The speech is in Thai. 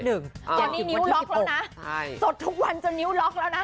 ตอนนี้นิ้วล็อกแล้วนะจดทุกวันจนนิ้วล็อกแล้วนะ